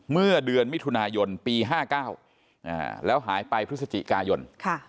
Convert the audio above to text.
เมื่อเดือนมิถุนายนปี๕๙แล้วหายไปพฤศจิกายน